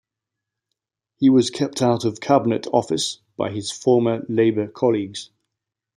He was kept out of cabinet office by his former Labour colleagues.